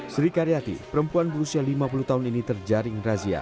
sri karyati perempuan berusia lima puluh tahun ini terjaring razia